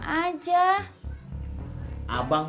kenapa sih bank